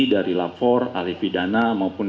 dari lapor ahli pidana maupun